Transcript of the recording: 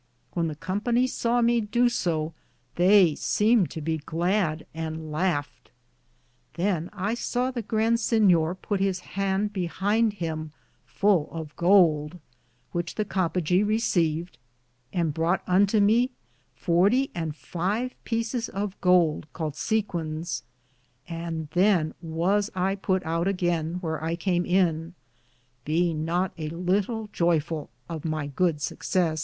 When the Company saw me do so theye semed to be glad, and laughed. Than I saw the Grand Sinyor put his hande behind him full of goulde, which the Coppagaw Receved, and broughte unto me fortie and five peecis of gould called chickers,* and than was I put out againe wheare I came in, beinge not a little joyfull . of my good suckses.